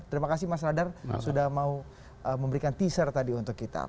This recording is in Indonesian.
terima kasih mas radar sudah mau memberikan teaser tadi untuk kita